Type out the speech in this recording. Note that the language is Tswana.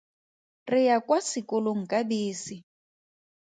Re ya kwa sekolong ka bese.